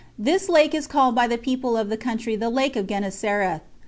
This lake is called by the people of the country the Lake of Gennesareth.